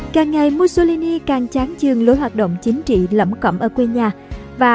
càng ngày mussolini càng chán chương lối hoạt động chính trị lẫm cẩm ở quê nhà